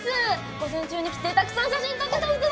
午前中に来てたくさん写真撮ってた人だ！